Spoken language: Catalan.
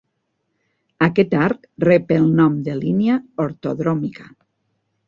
Aquest arc rep el nom de línia ortodròmica.